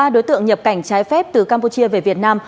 ba đối tượng nhập cảnh trái phép từ campuchia về việt nam